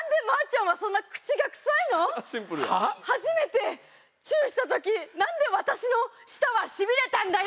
初めてチューした時なんで私の舌はしびれたんだよ！